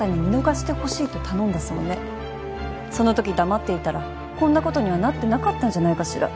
そのとき黙っていたらこんなことにはなってなかったんじゃないかしら？